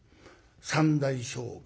三代将軍